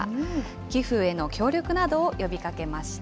寄付への協力などを呼びかけました。